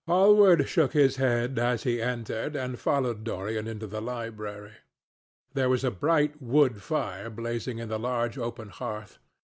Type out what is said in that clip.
Hallward shook his head, as he entered, and followed Dorian into the library. There was a bright wood fire blazing in the large open hearth.